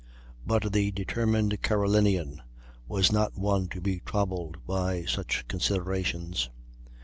But the determined Carolinian was not one to be troubled by such considerations.